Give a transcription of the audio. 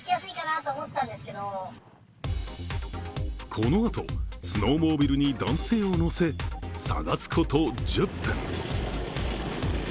このあとスノーモービルに男性を乗せ、探すこと１０分。